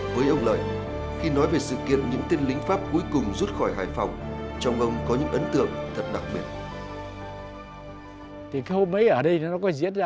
với ông lợi khi nói về sự kiện những tên lính pháp cuối cùng rút khỏi hải phòng